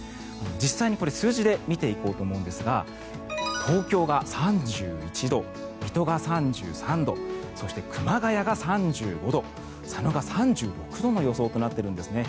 実際に数字で見ていこうと思うんですが東京が３１度、水戸が３３度そして、熊谷が３５度佐野が３６度の予想となっているんですね。